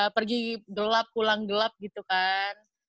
pergi gelap pulang gelap gitu kan